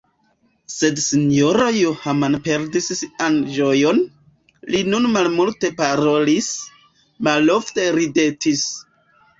Sed S-ro Jehman perdis sian ĝojon; li nun malmulte parolis, malofte ridetis.